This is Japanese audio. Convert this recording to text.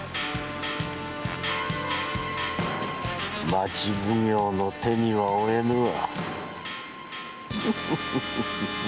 町奉行の手には負えぬわ。